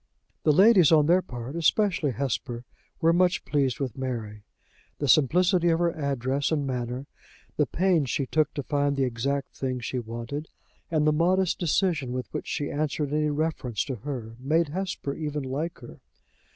The ladies, on their part, especially Hesper, were much pleased with Mary. The simplicity of her address and manner, the pains she took to find the exact thing she wanted, and the modest decision with which she answered any reference to her, made Hesper even like her.